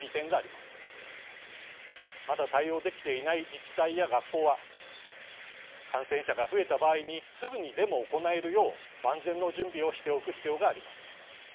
まだ対応できていない自治体や学校は感染者が増えた場合にすぐにでも行えるよう万全の準備をしておく必要があります。